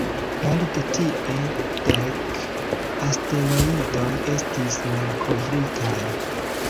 Elde tie, dek asteroidoj estis malkovritaj.